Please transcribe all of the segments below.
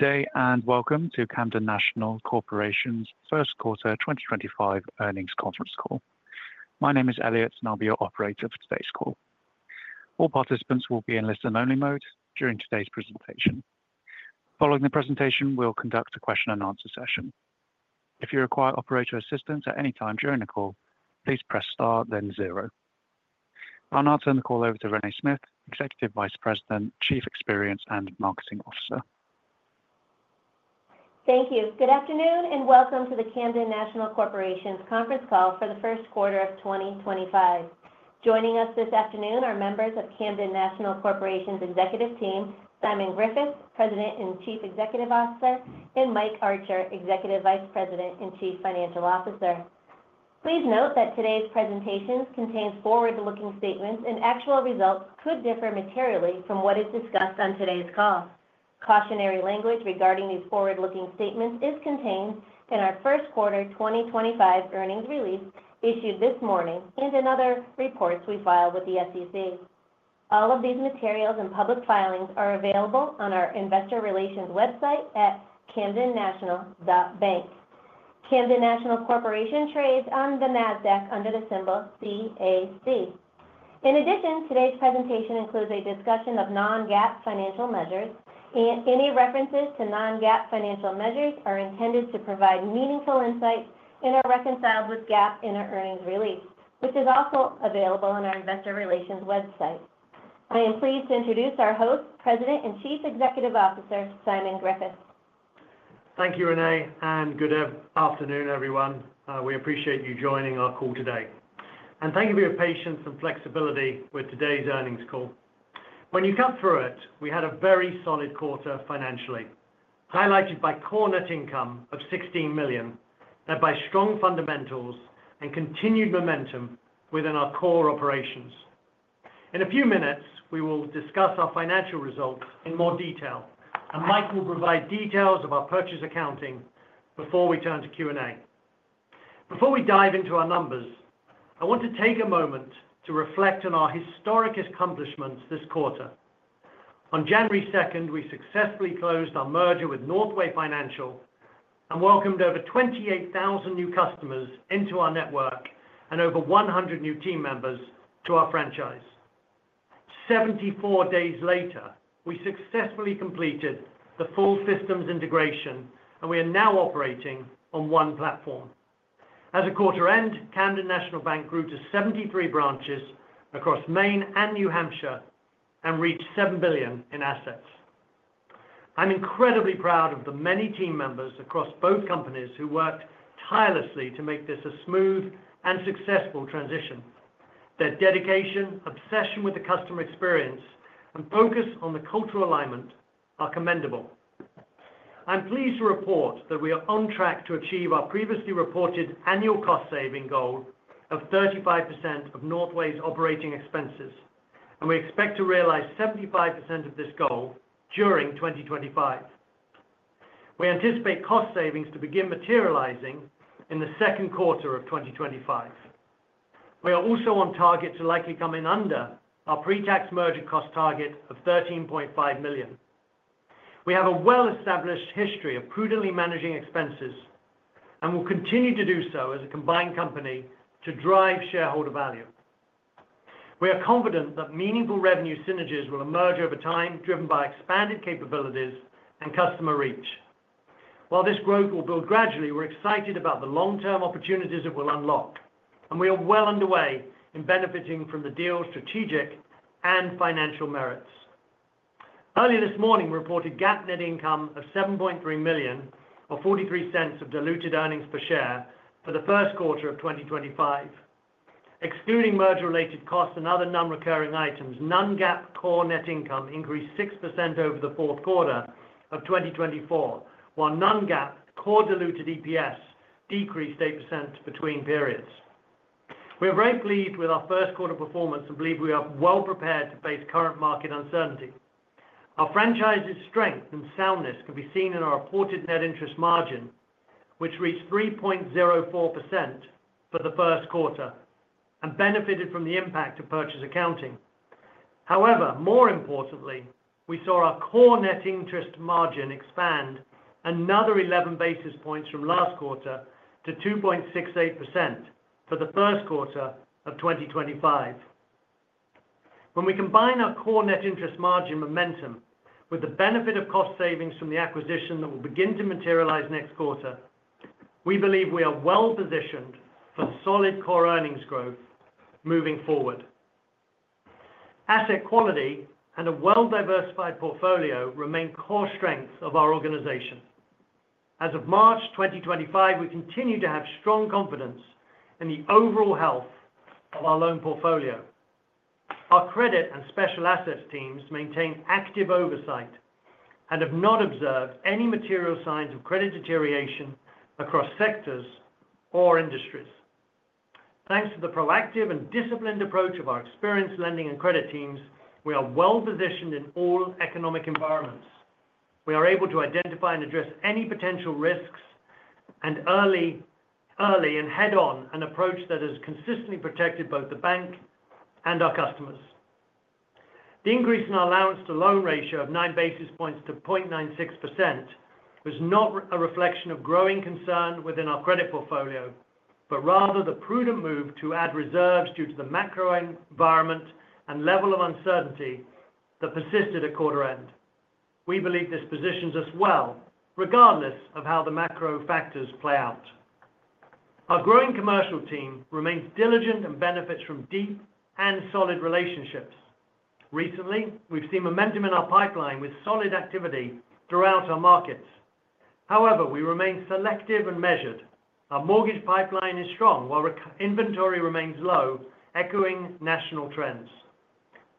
Good day and welcome to Camden National Corporation's first quarter 2025 earnings conference call. My name is Elliott, and I'll be your operator for today's call. All participants will be in listen-only mode during today's presentation. Following the presentation, we'll conduct a question-and-answer session. If you require operator assistance at any time during the call, please press star, then zero. I'll now turn the call over to Renée Smyth, Executive Vice President, Chief Experience and Marketing Officer. Thank you. Good afternoon and welcome to the Camden National Corporation's conference all for the first quarter of 2025. Joining us this afternoon are members of Camden National Corporation's Executive Team, Simon Griffiths, President and Chief Executive Officer, and Mike Archer, Executive Vice President and Chief Financial Officer. Please note that today's presentations contain forward-looking statements, and actual results could differ materially from what is discussed on today's call. Cautionary language regarding these forward-looking statements is contained in our first quarter 2025 earnings release issued this morning and in other reports we filed with the SEC. All of these materials and public filings are available on our Investor Relations website at camdennational.bank. Camden National Corporation trades on the NASDAQ under the symbol CAC. In addition, today's presentation includes a discussion of non-GAAP financial measures. Any references to non-GAAP financial measures are intended to provide meaningful insights and are reconciled with GAAP in our earnings release, which is also available on our Investor Relations website. I am pleased to introduce our host, President and Chief Executive Officer, Simon Griffiths. Thank you, Renée, and good afternoon, everyone. We appreciate you joining our call today, and thank you for your patience and flexibility with today's earnings call. When you cut through it, we had a very solid quarter financially, highlighted by core net income of $16 million, led by strong fundamentals and continued momentum within our core operations. In a few minutes, we will discuss our financial results in more detail, and Mike will provide details of our purchase accounting before we turn to Q&A. Before we dive into our numbers, I want to take a moment to reflect on our historic accomplishments this quarter. On January 2nd, we successfully closed our merger with Northway Financial and welcomed over 28,000 new customers into our network and over 100 new team members to our franchise. Seventy-four days later, we successfully completed the full systems integration, and we are now operating on one platform. As the quarter ended, Camden National Bank grew to 73 branches across Maine and New Hampshire and reached $7 billion in assets. I'm incredibly proud of the many team members across both companies who worked tirelessly to make this a smooth and successful transition. Their dedication, obsession with the customer experience, and focus on the cultural alignment are commendable. I'm pleased to report that we are on track to achieve our previously reported annual cost-saving goal of 35% of Northway's operating expenses, and we expect to realize 75% of this goal during 2025. We anticipate cost savings to begin materializing in the second quarter of 2025. We are also on target to likely come in under our pre-tax merger cost target of $13.5 million. We have a well-established history of prudently managing expenses and will continue to do so as a combined company to drive shareholder value. We are confident that meaningful revenue synergies will emerge over time, driven by expanded capabilities and customer reach. While this growth will build gradually, we're excited about the long-term opportunities it will unlock, and we are well underway in benefiting from the deal's strategic and financial merits. Earlier this morning, we reported GAAP net income of $7.3 million or $0.43 of diluted earnings per share for the first quarter of 2025. Excluding merger-related costs and other non-recurring items, non-GAAP core net income increased 6% over the fourth quarter of 2024, while non-GAAP core diluted EPS decreased 8% between periods. We are very pleased with our first quarter performance and believe we are well prepared to face current market uncertainty. Our franchise's strength and soundness can be seen in our reported net interest margin, which reached 3.04% for the first quarter and benefited from the impact of purchase accounting. However, more importantly, we saw our core net interest margin expand another 11 basis points from last quarter to 2.68% for the first quarter of 2025. When we combine our core net interest margin momentum with the benefit of cost savings from the acquisition that will begin to materialize next quarter, we believe we are well positioned for solid core earnings growth moving forward. Asset quality and a well-diversified portfolio remain core strengths of our organization. As of March 2025, we continue to have strong confidence in the overall health of our loan portfolio. Our credit and special assets teams maintain active oversight and have not observed any material signs of credit deterioration across sectors or industries. Thanks to the proactive and disciplined approach of our experienced lending and credit teams, we are well positioned in all economic environments. We are able to identify and address any potential risks early and head-on, an approach that has consistently protected both the bank and our customers. The increase in our allowance-to-loan ratio of 9 basis points to 0.96% was not a reflection of growing concern within our credit portfolio, but rather the prudent move to add reserves due to the macro environment and level of uncertainty that persisted at quarter end. We believe this positions us well regardless of how the macro factors play out. Our growing commercial team remains diligent and benefits from deep and solid relationships. Recently, we've seen momentum in our pipeline with solid activity throughout our markets. However, we remain selective and measured. Our mortgage pipeline is strong while inventory remains low, echoing national trends.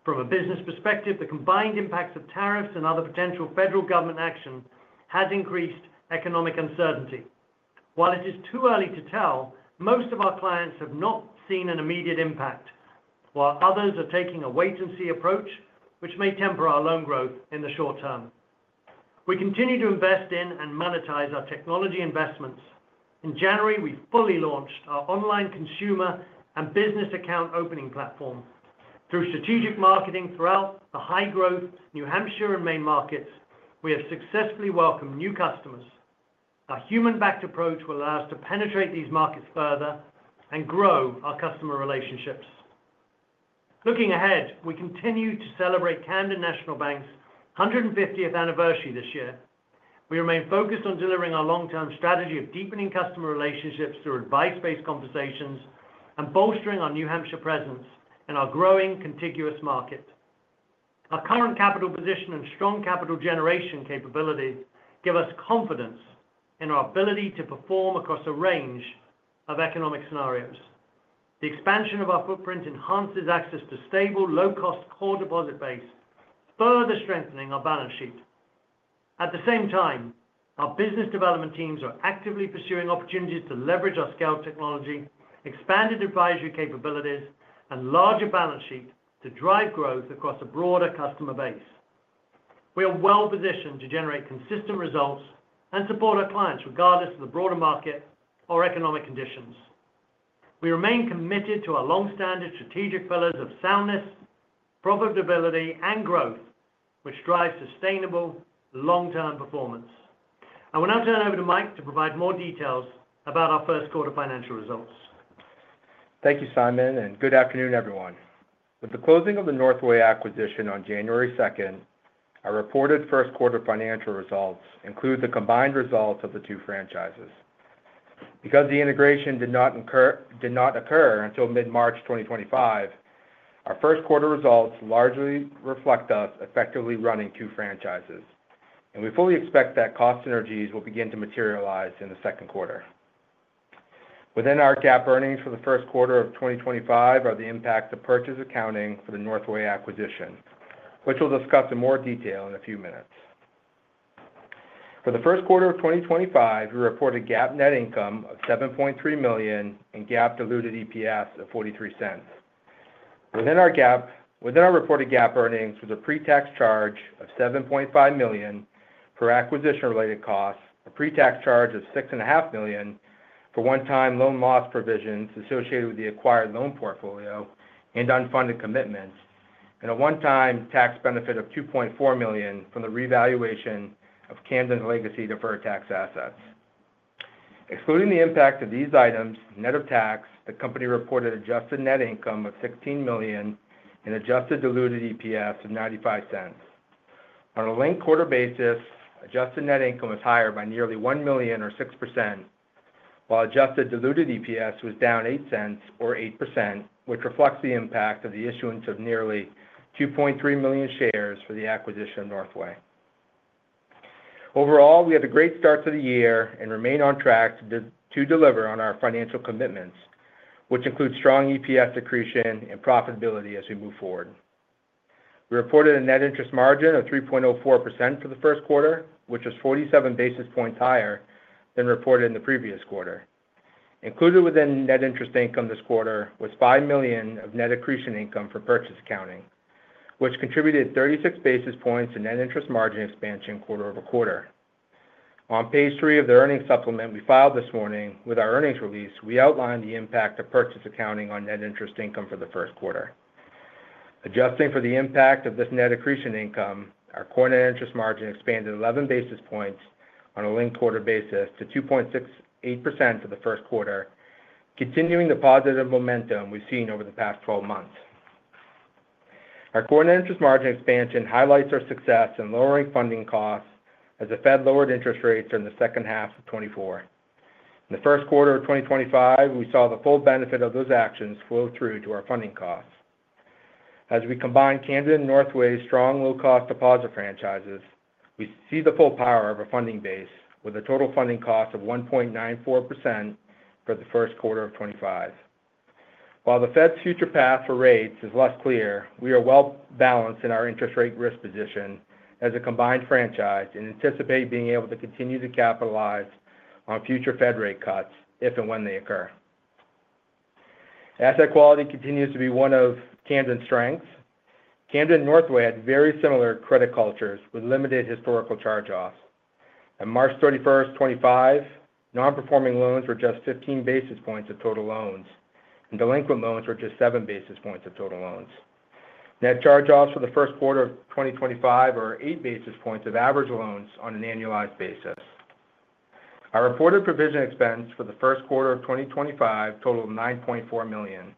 From a business perspective, the combined impacts of tariffs and other potential federal government action have increased economic uncertainty. While it is too early to tell, most of our clients have not seen an immediate impact, while others are taking a wait-and-see approach, which may temper our loan growth in the short term. We continue to invest in and monetize our technology investments. In January, we fully launched our online consumer and business account opening platform. Through strategic marketing throughout the high-growth New Hampshire and Maine markets, we have successfully welcomed new customers. Our human-backed approach will allow us to penetrate these markets further and grow our customer relationships. Looking ahead, we continue to celebrate Camden National Bank's 150th anniversary this year. We remain focused on delivering our long-term strategy of deepening customer relationships through advice-based conversations and bolstering our New Hampshire presence in our growing contiguous market. Our current capital position and strong capital generation capabilities give us confidence in our ability to perform across a range of economic scenarios. The expansion of our footprint enhances access to a stable, low-cost core deposit base, further strengthening our balance sheet. At the same time, our business development teams are actively pursuing opportunities to leverage our scaled technology, expanded advisory capabilities, and larger balance sheet to drive growth across a broader customer base. We are well positioned to generate consistent results and support our clients regardless of the broader market or economic conditions. We remain committed to our long-standing strategic pillars of soundness, profitability, and growth, which drive sustainable long-term performance. I will now turn it over to Mike to provide more details about our first quarter financial results. Thank you, Simon, and good afternoon, everyone. With the closing of the Northway acquisition on January 2, our reported first quarter financial results include the combined results of the two franchises. Because the integration did not occur until mid-March 2025, our first quarter results largely reflect us effectively running two franchises, and we fully expect that cost synergies will begin to materialize in the second quarter. Within our GAAP earnings for the first quarter of 2025 are the impacts of purchase accounting for the Northway acquisition, which we'll discuss in more detail in a few minutes. For the first quarter of 2025, we reported GAAP net income of $7.3 million and GAAP diluted EPS of $0.43. Within our reported GAAP earnings, there was a pre-tax charge of $7.5 million for acquisition-related costs, a pre-tax charge of $6.5 million for one-time loan loss provisions associated with the acquired loan portfolio and unfunded commitments, and a one-time tax benefit of $2.4 million from the revaluation of Camden's legacy deferred tax assets. Excluding the impact of these items, net of tax, the company reported adjusted net income of $16 million and adjusted diluted EPS of $0.95. On a linked quarter basis, adjusted net income was higher by nearly $1 million, or 6%, while adjusted diluted EPS was down $0.08, or 8%, which reflects the impact of the issuance of nearly 2.3 million shares for the acquisition of Northway. Overall, we had a great start to the year and remain on track to deliver on our financial commitments, which include strong EPS accretion and profitability as we move forward. We reported a net interest margin of 3.04% for the first quarter, which was 47 basis points higher than reported in the previous quarter. Included within net interest income this quarter was $5 million of net accretion income for purchase accounting, which contributed 36 basis points to net interest margin expansion quarter over quarter. On page three of the earnings supplement we filed this morning with our earnings release, we outlined the impact of purchase accounting on net interest income for the first quarter. Adjusting for the impact of this net accretion income, our core net interest margin expanded 11 basis points on a linked quarter basis to 2.68% for the first quarter, continuing the positive momentum we've seen over the past 12 months. Our core net interest margin expansion highlights our success in lowering funding costs as the Fed lowered interest rates during the second half of 2024. In the first quarter of 2025, we saw the full benefit of those actions flow through to our funding costs. As we combine Camden and Northway's strong low-cost deposit franchises, we see the full power of a funding base with a total funding cost of 1.94% for the first quarter of 2025. While the Fed's future path for rates is less clear, we are well balanced in our interest rate risk position as a combined franchise and anticipate being able to continue to capitalize on future Fed rate cuts if and when they occur. Asset quality continues to be one of Camden's strengths. Camden and Northway had very similar credit cultures with limited historical charge-offs. On March 31st, 2025, non-performing loans were just 15 basis points of total loans, and delinquent loans were just 7 basis points of total loans. Net charge-offs for the first quarter of 2025 are 8 basis points of average loans on an annualized basis. Our reported provision expense for the first quarter of 2025 totaled $9.4 million.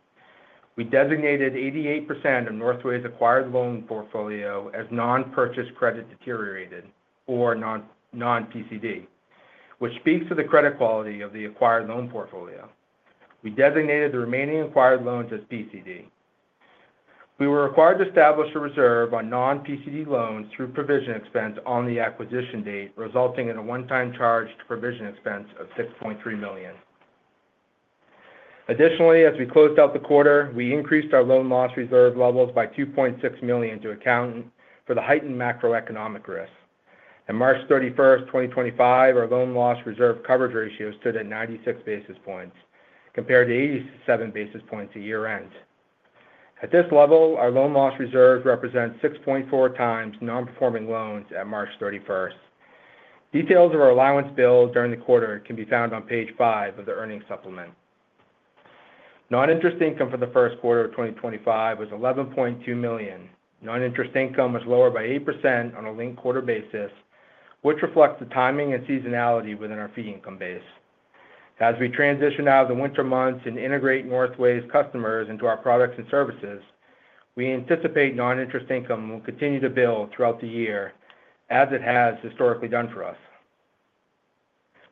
We designated 88% of Northway's acquired loan portfolio as non-purchase credit deteriorated, or non-PCD, which speaks to the credit quality of the acquired loan portfolio. We designated the remaining acquired loans as PCD. We were required to establish a reserve on non-PCD loans through provision expense on the acquisition date, resulting in a one-time charge to provision expense of $6.3 million. Additionally, as we closed out the quarter, we increased our loan loss reserve levels by $2.6 million to account for the heightened macroeconomic risk. On March 31st, 2025, our loan loss reserve coverage ratio stood at 96 basis points, compared to 87 basis points at year-end. At this level, our loan loss reserve represents 6.4 times non-performing loans at March 31st. Details of our allowance build during the quarter can be found on page five of the earnings supplement. Non-interest income for the first quarter of 2025 was $11.2 million. Non-interest income was lower by 8% on a linked quarter basis, which reflects the timing and seasonality within our fee income base. As we transition out of the winter months and integrate Northway's customers into our products and services, we anticipate non-interest income will continue to build throughout the year as it has historically done for us.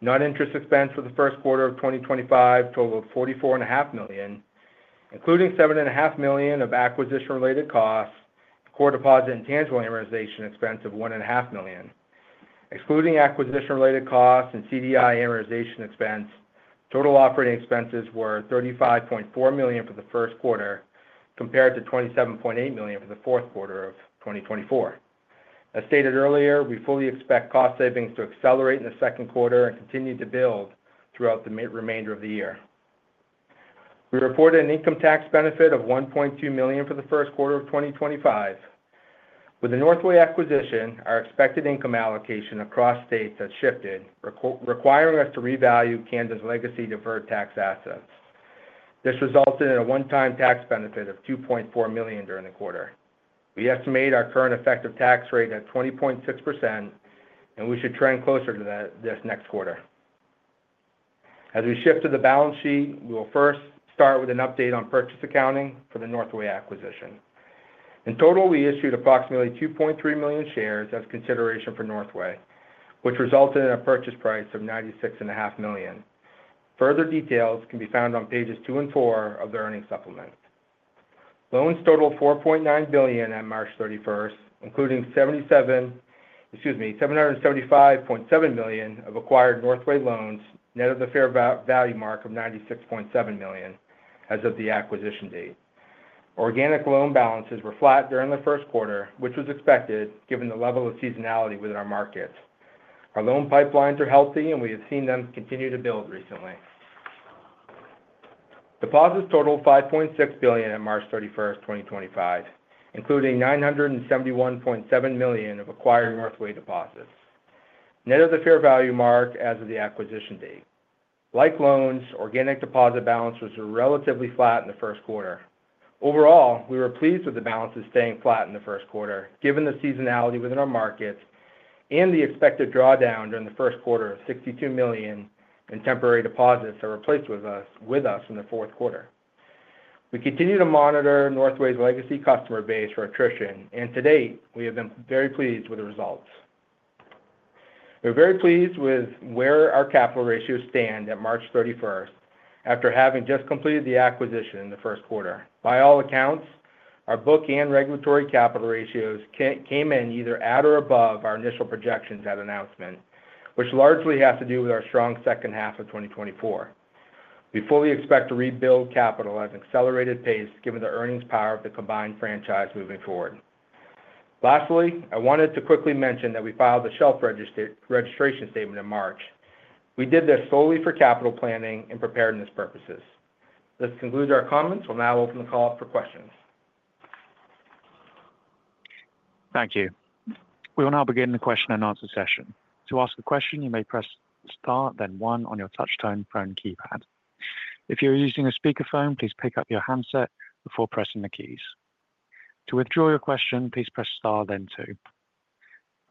Non-interest expense for the first quarter of 2025 totaled $44.5 million, including $7.5 million of acquisition-related costs and core deposit intangible amortization expense of $1.5 million. Excluding acquisition-related costs and CDI amortization expense, total operating expenses were $35.4 million for the first quarter, compared to $27.8 million for the fourth quarter of 2024. As stated earlier, we fully expect cost savings to accelerate in the second quarter and continue to build throughout the remainder of the year. We reported an income tax benefit of $1.2 million for the first quarter of 2025. With the Northway acquisition, our expected income allocation across states has shifted, requiring us to revalue Camden's legacy deferred tax assets. This resulted in a one-time tax benefit of $2.4 million during the quarter. We estimate our current effective tax rate at 20.6%, and we should trend closer to this next quarter. As we shift to the balance sheet, we will first start with an update on purchase accounting for the Northway acquisition. In total, we issued approximately 2.3 million shares as consideration for Northway, which resulted in a purchase price of $96.5 million. Further details can be found on pages two and four of the earnings supplement. Loans totaled $4.9 billion on March 31st, including $775.7 million of acquired Northway loans net of the fair value mark of $96.7 million as of the acquisition date. Organic loan balances were flat during the first quarter, which was expected given the level of seasonality within our markets. Our loan pipelines are healthy, and we have seen them continue to build recently. Deposits totaled $5.6 billion on March 31st, 2025, including $971.7 million of acquired Northway deposits, net of the fair value mark as of the acquisition date. Like loans, organic deposit balances were relatively flat in the first quarter. Overall, we were pleased with the balances staying flat in the first quarter given the seasonality within our markets and the expected drawdown during the first quarter of $62 million in temporary deposits that were placed with us in the fourth quarter. We continue to monitor Northway's legacy customer base for attrition, and to date, we have been very pleased with the results. We're very pleased with where our capital ratios stand at March 31 after having just completed the acquisition in the first quarter. By all accounts, our book and regulatory capital ratios came in either at or above our initial projections at announcement, which largely has to do with our strong second half of 2024. We fully expect to rebuild capital at an accelerated pace given the earnings power of the combined franchise moving forward. Lastly, I wanted to quickly mention that we filed a shelf registration statement in March. We did this solely for capital planning and preparedness purposes. This concludes our comments. We'll now open the call for questions. Thank you. We will now begin the question and answer session. To ask a question, you may press Star, then one on your touch-tone phone keypad. If you're using a speakerphone, please pick up your handset before pressing the keys. To withdraw your question, please press Star, then two.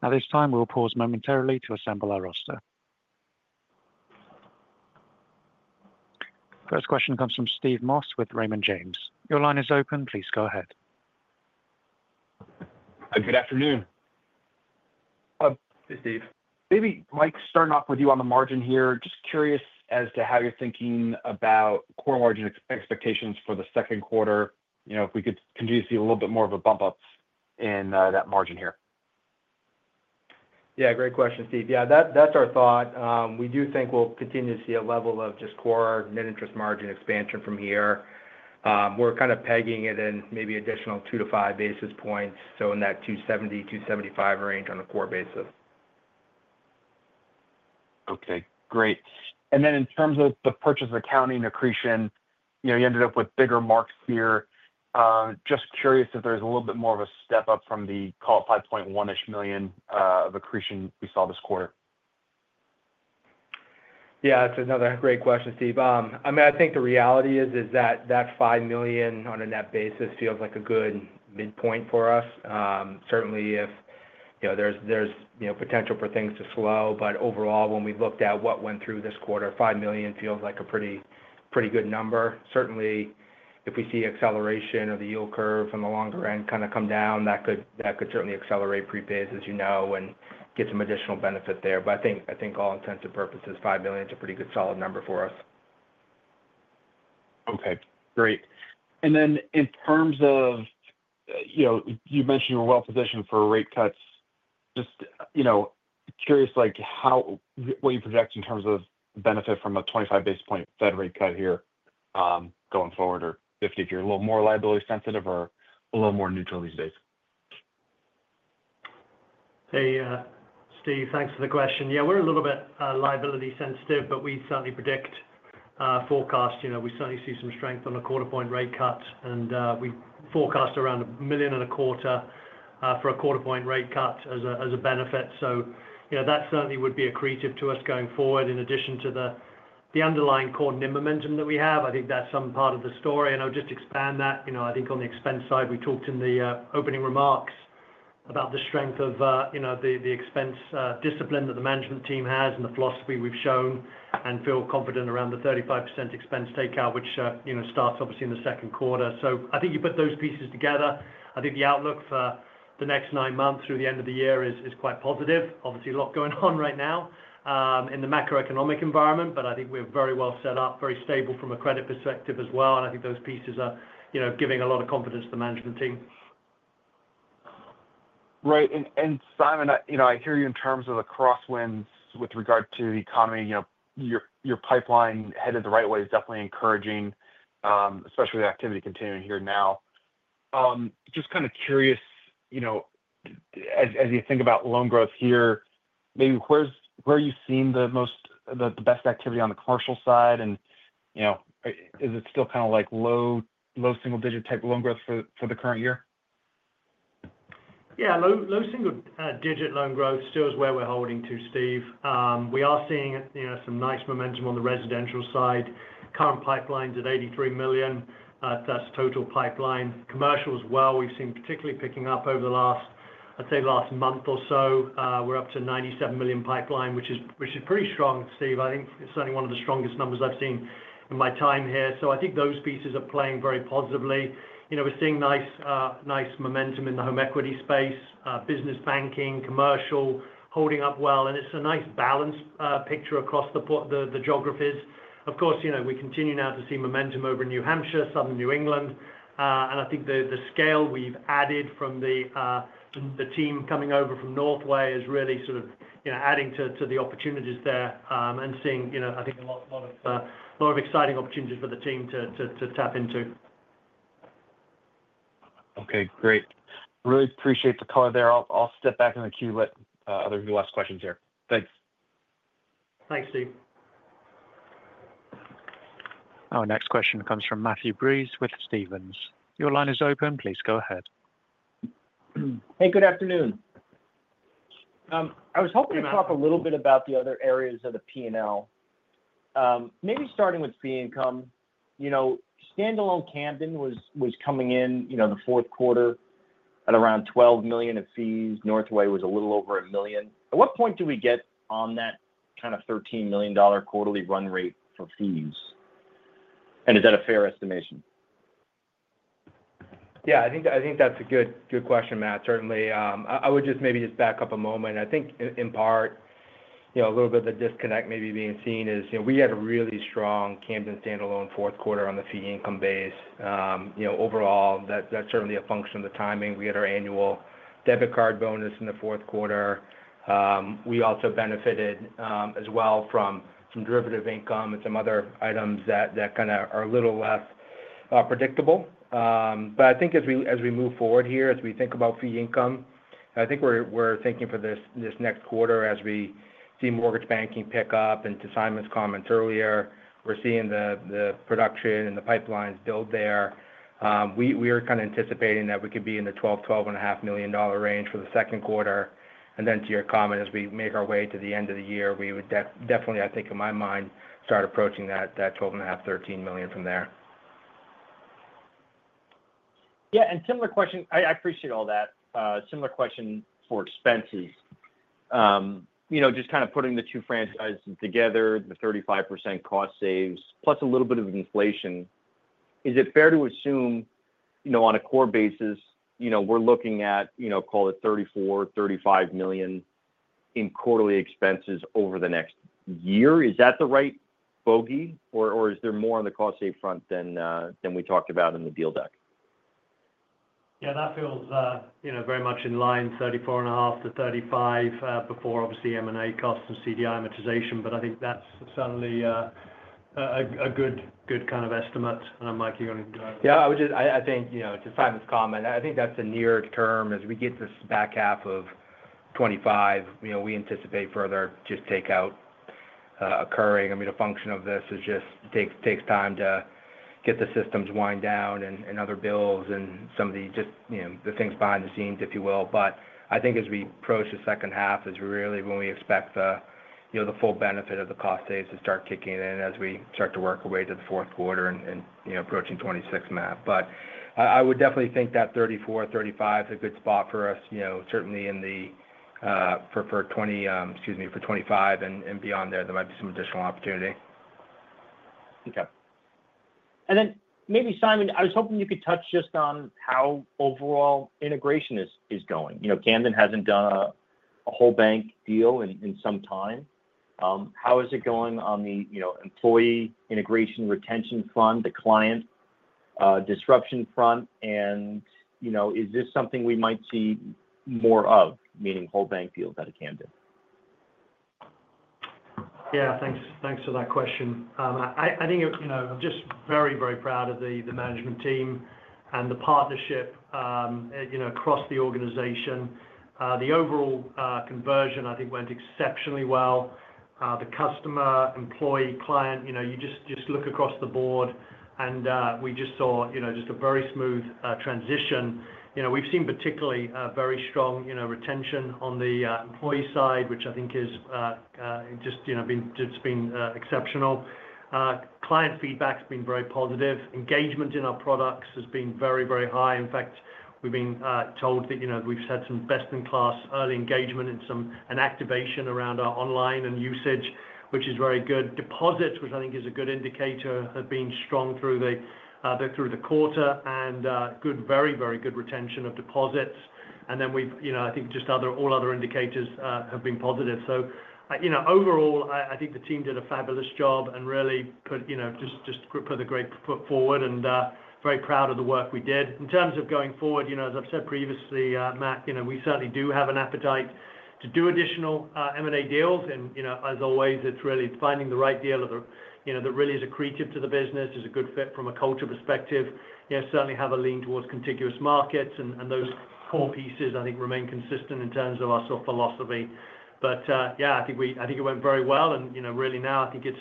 At this time, we will pause momentarily to assemble our roster. First question comes from Steve Moss with Raymond James. Your line is open. Please go ahead. Good afternoon. Hi. Hey, Steve. Maybe Mike, starting off with you on the margin here, just curious as to how you're thinking about core margin expectations for the second quarter, if we could continue to see a little bit more of a bump up in that margin here. Yeah, great question, Steve. Yeah, that's our thought. We do think we'll continue to see a level of just core net interest margin expansion from here. We're kind of pegging it in maybe an additional 2-5 basis points, so in that 270-275 range on a core basis. Okay. Great. In terms of the purchase accounting accretion, you ended up with bigger marks here. Just curious if there's a little bit more of a step up from the call $5.1-ish million of accretion we saw this quarter. Yeah, that's another great question, Steve. I mean, I think the reality is that $5 million on a net basis feels like a good midpoint for us. Certainly, if there's potential for things to slow, but overall, when we looked at what went through this quarter, $5 million feels like a pretty good number. Certainly, if we see acceleration of the yield curve on the longer end kind of come down, that could certainly accelerate pre-bids, as you know, and get some additional benefit there. I think, all intents and purposes, $5 million is a pretty good solid number for us. Okay. Great. In terms of you mentioned you were well-positioned for rate cuts. Just curious what you project in terms of benefit from a 25 basis point Fed rate cut here going forward, or if you're a little more liability sensitive or a little more neutral these days. Hey, Steve, thanks for the question. Yeah, we're a little bit liability sensitive, but we certainly predict forecast. We certainly see some strength on a quarter-point rate cut, and we forecast around $1,250,000 for a quarter-point rate cut as a benefit. That certainly would be accretive to us going forward. In addition to the underlying core NIM momentum that we have, I think that's some part of the story. I'll just expand that. I think on the expense side, we talked in the opening remarks about the strength of the expense discipline that the management team has and the philosophy we've shown and feel confident around the 35% expense takeout, which starts, obviously, in the second quarter. I think you put those pieces together. I think the outlook for the next nine months through the end of the year is quite positive. Obviously, a lot going on right now in the macroeconomic environment, but I think we're very well set up, very stable from a credit perspective as well. I think those pieces are giving a lot of confidence to the management team. Right. And Simon, I hear you in terms of the crosswinds with regard to the economy. Your pipeline headed the right way is definitely encouraging, especially with activity continuing here now. Just kind of curious, as you think about loan growth here, maybe where are you seeing the best activity on the commercial side? Is it still kind of low single-digit type loan growth for the current year? Yeah, low single-digit loan growth still is where we're holding to, Steve. We are seeing some nice momentum on the residential side. Current pipeline is at $83 million. That's total pipeline. Commercial as well, we've seen particularly picking up over the last, I'd say, last month or so. We're up to a $97 million pipeline, which is pretty strong, Steve. I think it's certainly one of the strongest numbers I've seen in my time here. I think those pieces are playing very positively. We're seeing nice momentum in the home equity space, business banking, commercial holding up well. It's a nice balanced picture across the geographies. Of course, we continue now to see momentum over New Hampshire, southern New England. I think the scale we have added from the team coming over from Northway is really sort of adding to the opportunities there and seeing, I think, a lot of exciting opportunities for the team to tap into. Okay. Great. Really appreciate the call there. I'll step back in the queue, let others of you ask questions here. Thanks. Thanks, Steve. Our next question comes from Matthew Breese with Stephens. Your line is open. Please go ahead. Hey, good afternoon. I was hoping to talk a little bit about the other areas of the P&L. Maybe starting with fee income, standalone Camden was coming in the fourth quarter at around $12 million of fees. Northway was a little over $1 million. At what point do we get on that kind of $13 million quarterly run rate for fees? Is that a fair estimation? Yeah, I think that's a good question, Matt. Certainly, I would just maybe just back up a moment. I think in part, a little bit of the disconnect maybe being seen is we had a really strong Camden standalone fourth quarter on the fee income base. Overall, that's certainly a function of the timing. We had our annual debit card bonus in the fourth quarter. We also benefited as well from some derivative income and some other items that kind of are a little less predictable. I think as we move forward here, as we think about fee income, I think we're thinking for this next quarter as we see mortgage banking pick up. And to Simon's comments earlier, we're seeing the production and the pipelines build there. We are kind of anticipating that we could be in the $12-$12.5 million range for the second quarter. To your comment, as we make our way to the end of the year, we would definitely, I think in my mind, start approaching that $12.5-$13 million from there. Yeah. Similar question. I appreciate all that. Similar question for expenses. Just kind of putting the two franchises together, the 35% cost saves, plus a little bit of inflation. Is it fair to assume on a core basis, we're looking at, call it, $34 million-$35 million in quarterly expenses over the next year? Is that the right bogey, or is there more on the cost save front than we talked about in the deal deck? Yeah, that feels very much in line, $34.5-$35 before, obviously, M&A costs and CDI amortization. I think that's certainly a good kind of estimate. Mike, you want to go ahead? Yeah, I think to Simon's comment, I think that's a near term. As we get to the back half of 2025, we anticipate further just takeout occurring. I mean, a function of this is just it takes time to get the systems wind down and other bills and some of the just the things behind the scenes, if you will. I think as we approach the second half is really when we expect the full benefit of the cost saves to start kicking in as we start to work our way to the fourth quarter and approaching 2026, Matt. I would definitely think that $34-$35 is a good spot for us, certainly for 2025 and beyond there, there might be some additional opportunity. Okay. And then maybe, Simon, I was hoping you could touch just on how overall integration is going. Camden hasn't done a whole bank deal in some time. How is it going on the employee integration retention front, the client disruption front? Is this something we might see more of, meaning whole bank deals out of Camden? Yeah, thanks for that question. I think I'm just very, very proud of the management team and the partnership across the organization. The overall conversion, I think, went exceptionally well. The customer, employee, client, you just look across the board, and we just saw just a very smooth transition. We've seen particularly very strong retention on the employee side, which I think has just been exceptional. Client feedback has been very positive. Engagement in our products has been very, very high. In fact, we've been told that we've had some best-in-class early engagement and activation around our online and usage, which is very good. Deposits, which I think is a good indicator, have been strong through the quarter and good, very, very good retention of deposits. I think just all other indicators have been positive. Overall, I think the team did a fabulous job and really just put a great foot forward and very proud of the work we did. In terms of going forward, as I've said previously, Matt, we certainly do have an appetite to do additional M&A deals. As always, it's really finding the right deal that really is accretive to the business, is a good fit from a culture perspective. Certainly have a lean towards contiguous markets. Those core pieces, I think, remain consistent in terms of our sort of philosophy. Yeah, I think it went very well. Really now, I think it's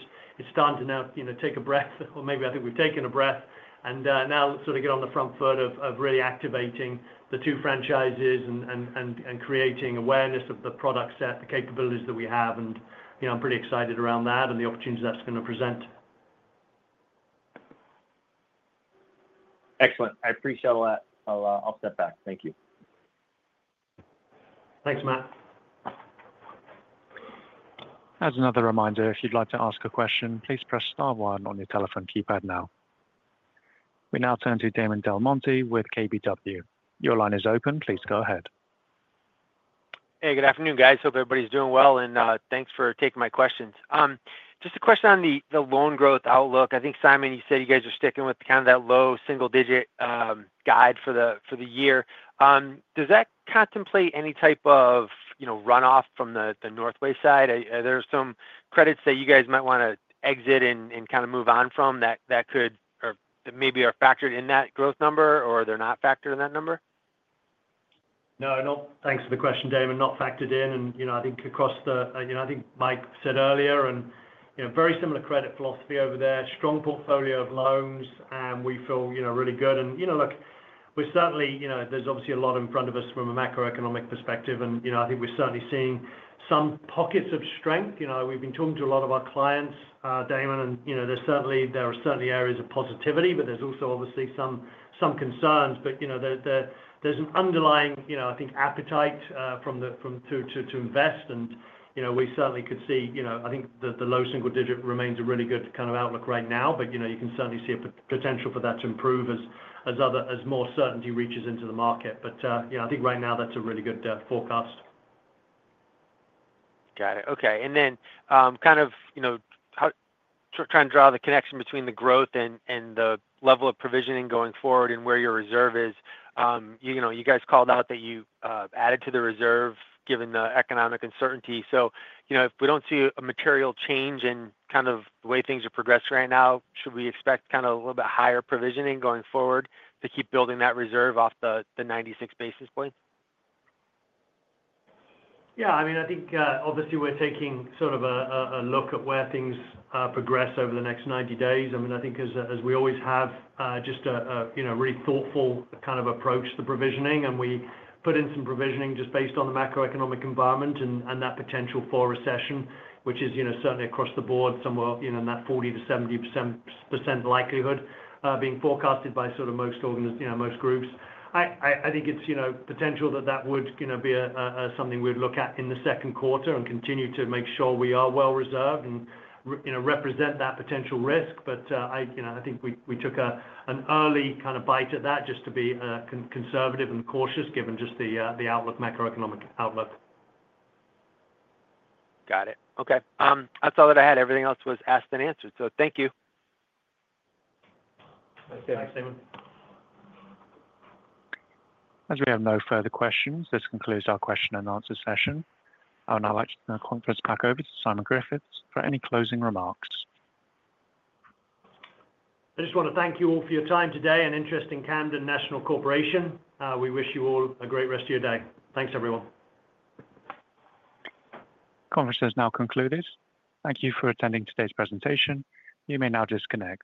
time to now take a breath, or maybe I think we've taken a breath, and now sort of get on the front foot of really activating the two franchises and creating awareness of the product set, the capabilities that we have. I'm pretty excited around that and the opportunities that's going to present. Excellent. I appreciate all that. I'll step back. Thank you. Thanks, Matt. As another reminder, if you'd like to ask a question, please press Star one on your telephone keypad now. We now turn to Damon DelMonte with KBW. Your line is open. Please go ahead. Hey, good afternoon, guys. Hope everybody's doing well, and thanks for taking my questions. Just a question on the loan growth outlook. I think, Simon, you said you guys are sticking with kind of that low single-digit guide for the year. Does that contemplate any type of runoff from the Northway side? Are there some credits that you guys might want to exit and kind of move on from that could or maybe are factored in that growth number, or they're not factored in that number? No, thanks for the question, Damon. Not factored in. I think across the, I think Mike said earlier, and very similar credit philosophy over there, strong portfolio of loans, and we feel really good. Look, there's obviously a lot in front of us from a macroeconomic perspective, and I think we're certainly seeing some pockets of strength. We've been talking to a lot of our clients, Damon, and there are certainly areas of positivity, but there's also obviously some concerns. There's an underlying, I think, appetite to invest. We certainly could see, I think, the low single-digit remains a really good kind of outlook right now, but you can certainly see a potential for that to improve as more certainty reaches into the market. I think right now, that's a really good forecast. Got it. Okay. And then kind of trying to draw the connection between the growth and the level of provisioning going forward and where your reserve is. You guys called out that you added to the reserve given the economic uncertainty. If we do not see a material change in kind of the way things are progressing right now, should we expect kind of a little bit higher provisioning going forward to keep building that reserve off the 96 basis point? Yeah. I mean, I think obviously we're taking sort of a look at where things progress over the next 90 days. I mean, I think as we always have just a really thoughtful kind of approach to the provisioning, and we put in some provisioning just based on the macroeconomic environment and that potential for recession, which is certainly across the board, somewhere in that 40-70% likelihood being forecasted by sort of most groups. I think it's potential that that would be something we'd look at in the second quarter and continue to make sure we are well reserved and represent that potential risk. I think we took an early kind of bite at that just to be conservative and cautious given just the outlook, macroeconomic outlook. Got it. Okay. That's all that I had. Everything else was asked and answered. So thank you. Thanks, Damon. As we have no further questions, this concludes our question and answer session. I'll now like to turn the conference back over to Simon Griffiths for any closing remarks. I just want to thank you all for your time today and interest in Camden National Corporation. We wish you all a great rest of your day. Thanks, everyone. The conference has now concluded. Thank you for attending today's presentation. You may now disconnect.